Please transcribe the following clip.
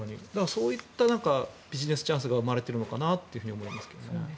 そういったビジネスチャンスが生まれているのかなと思いますね。